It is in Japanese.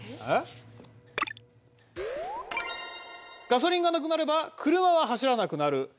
ガソリンがなくなれば車は走らなくなる。